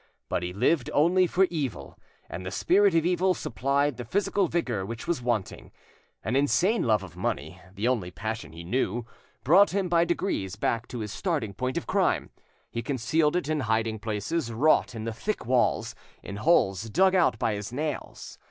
But he lived only for evil, and the Spirit of Evil supplied the physical vigour which was wanting. An insane love of money (the only passion he knew) brought him by degrees back to his starting point of crime; he concealed it in hiding places wrought in the thick walls, in holes dug out by his nails.